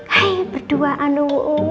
hai berdua anu